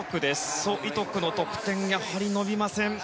ソ・イトクの得点やはり伸びません。